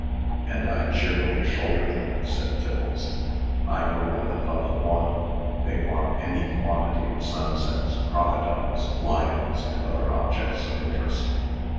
"And I cheerfully shoulder them," said Tiffles. "I know what the public want. They want any quantity of sunsets, crocodiles, lions, and other objects of interest.